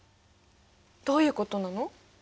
どういうことなの？